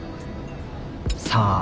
さあ。